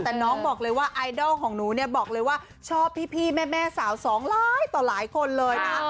แต่น้องบอกเลยว่าไอดอลของหนูเนี่ยบอกเลยว่าชอบพี่แม่สาวสองหลายต่อหลายคนเลยนะ